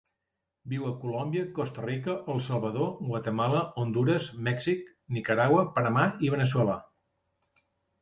Viu a Colòmbia, Costa Rica, El Salvador, Guatemala, Hondures, Mèxic, Nicaragua, Panamà i Veneçuela.